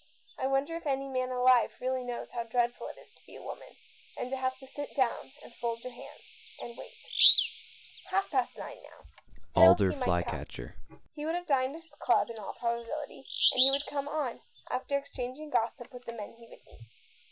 I wonder if any man alive really knows how dreadful it is to be a woman, and to have to sit down and fold your hands and wait ?" Half past nine now. Still he might come. He would have dined at his club in all probability, and he would come on after exchanging gossip with the men he would meet.